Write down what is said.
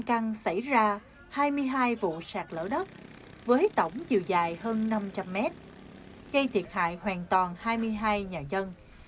càng xảy ra hai mươi hai vụ sạch lỡ đất với tổng chiều dài hơn năm trăm linh mét gây thiệt hại hoàn toàn hai mươi hai nhà dân